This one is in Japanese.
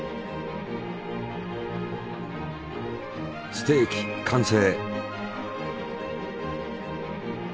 ステーキ完成！